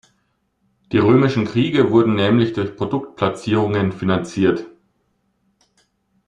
Die römischen Kriege wurden nämlich durch Produktplatzierungen finanziert.